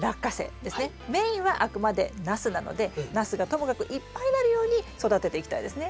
メインはあくまでナスなのでナスがともかくいっぱいなるように育てていきたいですね。